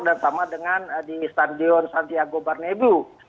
dan sama dengan di stadion santiago barnebu